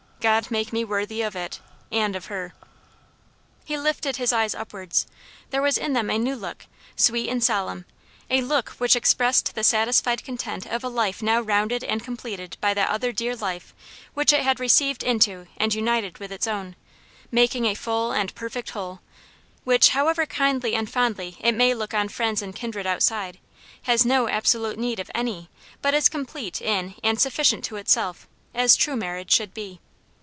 God make me worthy of it, and of her!" He lifted his eyes upwards; there was in them a new look, sweet and solemn, a look which expressed the satisfied content of a life now rounded and completed by that other dear life which it had received into and united with its own making a full and perfect whole, which, however kindly and fondly it may look on friends and kindred outside, has no absolute need of any, but is complete in and sufficient to itself, as true marriage should be.